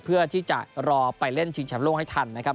เพื่อที่จะรอไปเล่นชิงแชมป์โลกให้ทันนะครับ